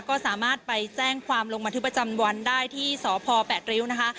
ก็สามารถไปแจ้งความลงบันทึกประจำวันได้ที่สพแปดริ้วนะคะ